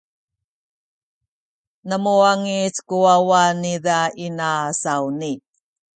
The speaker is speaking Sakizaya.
na muwangic ku wawa niza inasawni.